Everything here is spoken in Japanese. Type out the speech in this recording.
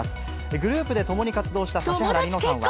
グループで共に活動した指原莉乃さんは。